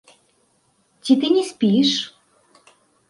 Ці ты не спіш?